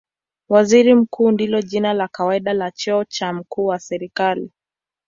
Waziri Mkuu ndilo jina la kawaida la cheo cha mkuu wa serikali.